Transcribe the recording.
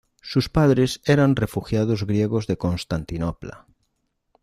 Sus padres eran refugiados griegos de Constantinopla.